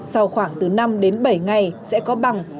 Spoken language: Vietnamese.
sau khoảng từ năm đến bảy ngày sẽ có bằng